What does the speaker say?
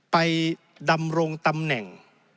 ดำรงตำแหน่ง